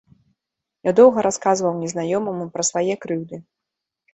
Я доўга расказваў незнаёмаму пра свае крыўды.